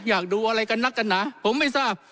อยากดูอะไรกันนักกันหนาผมไม่ทราบ